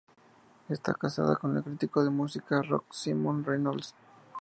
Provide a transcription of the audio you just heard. Está casada con el crítico de música rock Simon Reynolds.